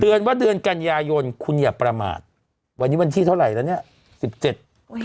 เดือนว่าเดือนกันยายนคุณอย่าประมาทวันนี้วันที่เท่าไหร่แล้วเนี่ยสิบเจ็ดอุ้ย